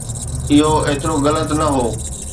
اهو ايترو غلط نه هو.